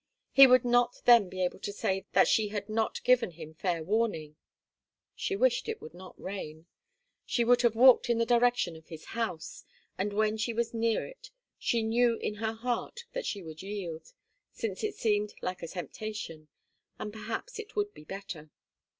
He would not then be able to say that she had not given him fair warning. She wished it would not rain. She would have walked in the direction of his house, and when she was near it she knew in her heart that she would yield since it seemed like a temptation and perhaps it would be better.